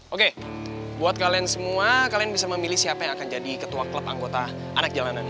oke buat kalian semua kalian bisa memilih siapa yang akan jadi ketua klub anggota anak jalanan